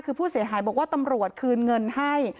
คือผู้เสียหายบอกว่าตำรวจคืนเงินให้